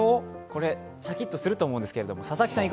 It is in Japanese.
これ、シャキッとすると思うんですけど。